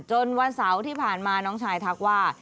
วันเสาร์ที่ผ่านมาน้องชายทักว่า